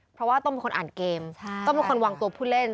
เพราะว่าต้องเป็นคนอ่านเกมต้องเป็นคนวางตัวผู้เล่น